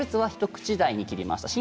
一口大に切ります